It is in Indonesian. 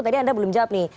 tadi anda belum jawab nih